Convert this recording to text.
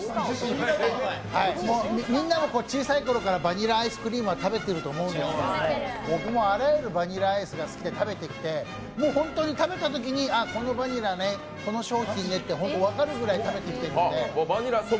みんなも小さい頃からバニラアイスクリームは食べてると思うんですけど、僕もあらゆるバニラアイスが好きで食べてきてもうホントに食べたときこのバニラね、この商品ねって分かるぐらい食べてきてるんで。